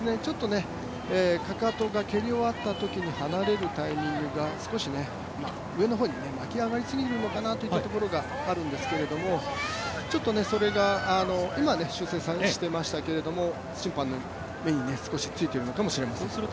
軽いというのは、ちょっとかかとが蹴り終わったときに離れるタイミングが少し上の方に巻き上がりすぎるのかなといったところがあるんですけれどもそれが今は修正していましたけど審判の目に少しついているのかもしれません。